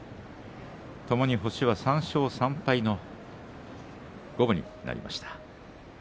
ともに星は３勝３敗五分になりました。